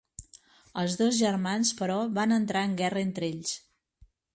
Els dos germans, però, van entrar en guerra entre ells.